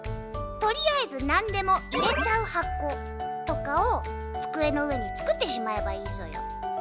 「とりあえずなんでも入れちゃう箱」とかを机の上に作ってしまえばいいソヨ。